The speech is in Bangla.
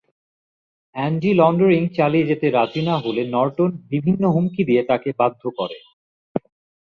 অ্যান্ডি লন্ডারিং চালিয়ে যেতে রাজি না হলে নর্টন বিভিন্ন হুমকি দিয়ে তাকে বাধ্য করে।